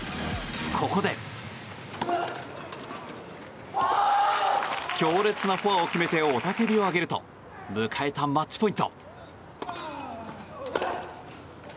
ここで、強烈なフォアを決めて雄たけびを上げると迎えたマッチポイント。